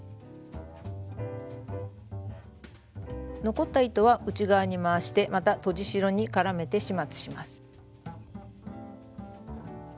残った糸は内側に回してまたとじ代に絡めて始末します。